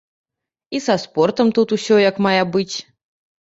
І са спортам тут усё, як мае быць.